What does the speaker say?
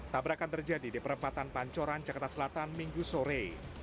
tabrakan terjadi di perempatan pancoran jakarta selatan minggu sore